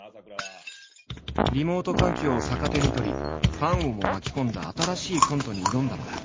リモート環境を逆手に取りファンをも巻き込んだ新しいコントに挑んだのだ。